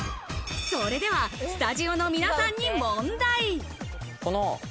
それではスタジオの皆さんに問題。